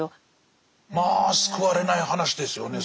まあ救われない話ですよね。